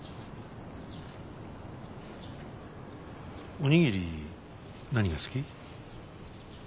お握り何が好き？